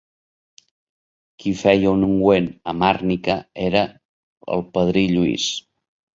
Qui feia un ungüent amb àrnica era el padrí Lluís.